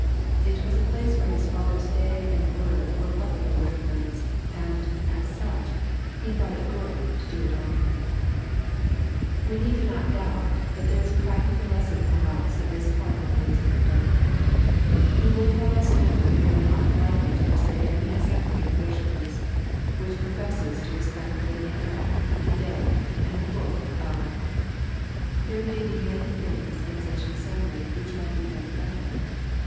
It was the place where His Father's day and word were publicly reoognized, and, as such, He thought it good to do it honor. \ r 116 EXP08IT0BY THOTTGHTS. We n3ed not doubt that there is a practical lesson for us in this part of our Lord's conduct. He would have us know that we are not lightly to forsake any assembly of worshippers, which pi^ofesses to respect the name, the day, and the book of God. There may be many things in such an assembly which might be done better.